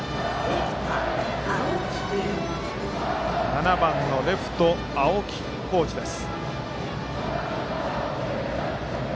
７番のレフト青木虎仁です。